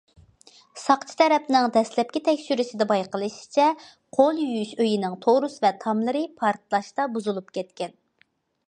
ساقچى تەرەپنىڭ دەسلەپكى تەكشۈرۈشىدە بايقىلىشىچە، قول يۇيۇش ئۆيىنىڭ تورۇس ۋە تاملىرى پارتلاشتا بۇزۇلۇپ كەتكەن.